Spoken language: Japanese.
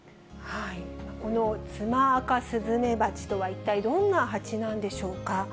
このツマアカスズメバチとは一体どんな蜂なんでしょうか。